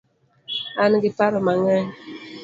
An gi paro mangeny